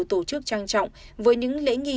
tổ chức trang trọng với những lễ nghi